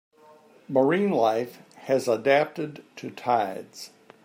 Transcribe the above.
Marine life has adapted to tides.